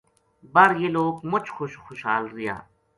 بر یہ لوک مُچ خوش خُشحال رہیا۔